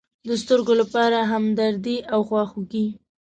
د سترگو لپاره همدردي او خواخوږي.